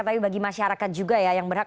tapi bagi masyarakat juga ya yang berhak